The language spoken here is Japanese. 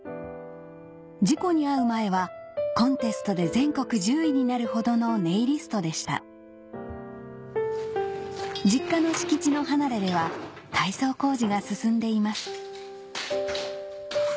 事故に遭う前はコンテストで全国１０位になるほどのネイリストでした実家の敷地の離れでは改装工事が進んでいます